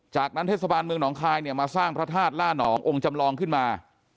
จากนั้นเทศบาลเมืองหนองคายเนี่ยมาสร้างพระธาตุล่านององค์จำลองขึ้นมา